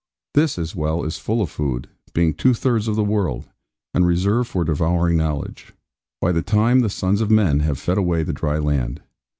This, as well, is full of food; being two thirds of the world, and reserved for devouring knowledge; by the time the sons of men have fed away the dry land.